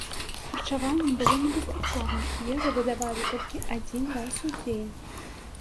Харчаванне было недастатковым, ежу выдавалі толькі адзін раз у дзень.